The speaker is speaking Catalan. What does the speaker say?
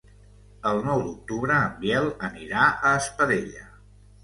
El nou d'octubre en Biel anirà a Espadella.